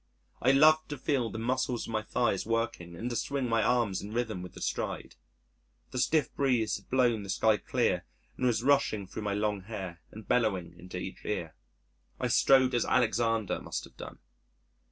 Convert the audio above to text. I loved to feel the muscles of my thighs working, and to swing my arms in rhythm with the stride. The stiff breeze had blown the sky clear, and was rushing through my long hair, and bellowing into each ear. I strode as Alexander must have done!